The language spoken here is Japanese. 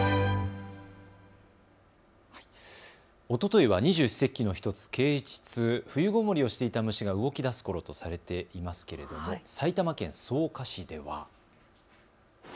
おとといは二十四節気の１つ、啓ちつ、冬ごもりをしていた虫が動きだすころとされていますけれども埼玉県草加市では。